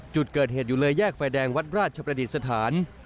จุดเกิดเหตุอยู่เลยแยกไฟแดงวัดราชประดิษฐาน